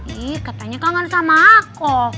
ih katanya kangen sama aku